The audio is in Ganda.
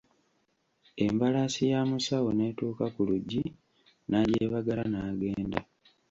Embalaasi ya musawo n'etuuka ku luggi n'agyebagala n'agenda.